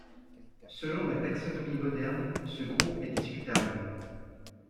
Selon la taxonomie moderne, ce groupe est discutable.